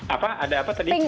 apa ada apa tadi